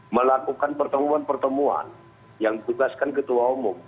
melakukan pertemuan pertemuan yang ditugaskan ketua umum